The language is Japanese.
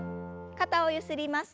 肩をゆすります。